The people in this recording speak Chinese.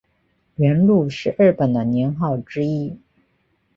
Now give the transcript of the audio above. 元禄是日本的年号之一。